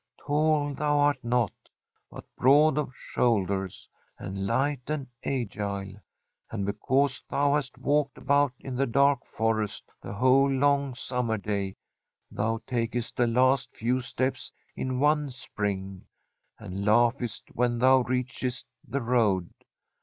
' Tall thou art not, but broad of shoulders 1 173] From a SfFEDlSH HOMESTEAD and light and agile, and because thou hast walked about in the dark forest the whole long summer day thou takest the last few steps in one spring, and laughest when thou reaches! the road.